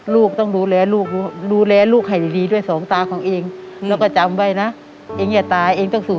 ลูกต้องรูแลลูกรูแลลูกให้ดีด้วย๒ตาของนาย